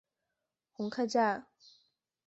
红磡站。